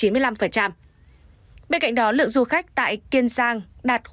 bên cạnh đó lượng du khách tại kiên giang đạt trên chín mươi năm